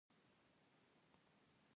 هغه به څنګه له دې ډول عملياته روغ را ووځي